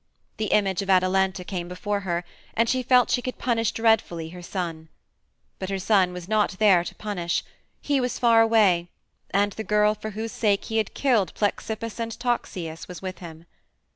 The image of Atalanta came before her, and she felt she could punish dreadfully her son. But her son was not there to punish; he was far away, and the girl for whose sake he had killed Plexippus and Toxeus was with him.